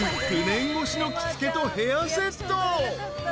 ９年越しの着付けとヘアセット］